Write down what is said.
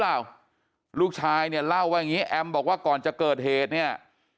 เปล่าลูกชายเนี่ยเล่าว่าอย่างนี้แอมบอกว่าก่อนจะเกิดเหตุเนี่ย